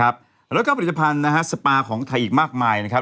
แล้วก็ปัญหาสปาของใครอีกมากมายนะครับ